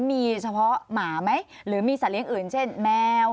มีเฉพาะหมาไหมหรือมีสัตว์อื่นเช่นแมว